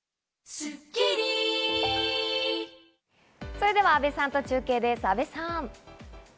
それでは阿部さんと中継です、阿部さん。